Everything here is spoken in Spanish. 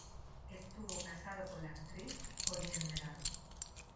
Estuvo casado con la actriz Connie Emerald.